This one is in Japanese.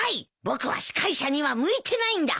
僕は司会者には向いてないんだ。